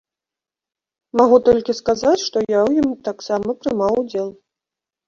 Магу толькі сказаць, што я ў ім таксама прымаў удзел.